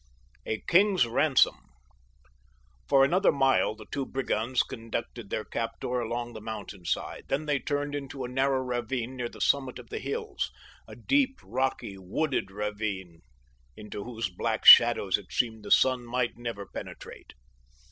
A KING'S RANSOM For another mile the two brigands conducted their captor along the mountainside, then they turned into a narrow ravine near the summit of the hills—a deep, rocky, wooded ravine into whose black shadows it seemed the sun might never penetrate.